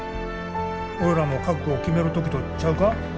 俺らも覚悟を決める時とちゃうか。